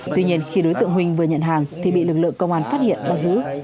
tuy nhiên khi đối tượng huỳnh vừa nhận hàng thì bị lực lượng công an phát hiện bắt giữ